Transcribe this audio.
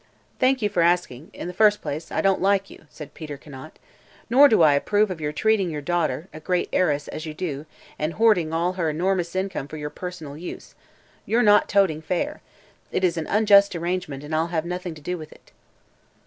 "Thank you for asking. In the first place, I don't like you," said Peter Conant. "Nor do I approve of your treating your daughter a great heiress as you do, and hoarding all her enormous income for your personal use. You're not toting fair. It is an unjust arrangement and I'll have nothing to do with it."